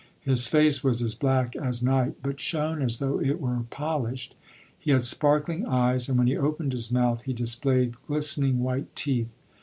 His face was as black as night, but shone as though it were polished; he had sparkling eyes, and when he opened his mouth, he displayed glistening white teeth.